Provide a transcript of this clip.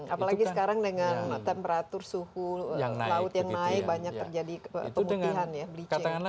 apalagi sekarang dengan temperatur suhu laut yang naik banyak terjadi pemutihan ya bleaching